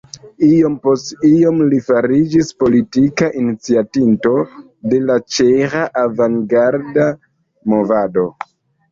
Iom post iom li fariĝis politika iniciatinto de la ĉeĥa avangarda movado.